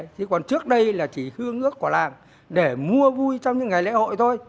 thế còn trước đây là chỉ hương ước của làng để mua vui trong những ngày lễ hội thôi